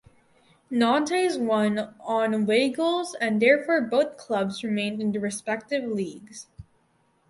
Nantes won on away goals and therefore both clubs remained in their respective leagues.